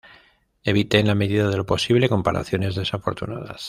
evite en la medida de lo posible comparaciones desafortunadas